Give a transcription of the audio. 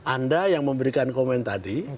anda yang memberikan komen tadi